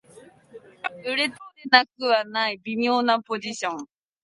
売れてなくはない微妙なポジション